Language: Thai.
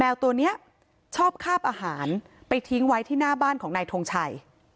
ตัวนี้ชอบคาบอาหารไปทิ้งไว้ที่หน้าบ้านของนายทงชัย